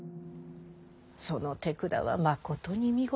その手管はまことに見事。